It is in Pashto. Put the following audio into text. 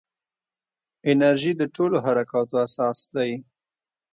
انرژي د ټولو حرکاتو اساس دی.